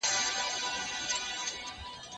کږه غاړه توره هم نسي وهلاى.